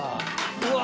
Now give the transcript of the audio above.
うわ。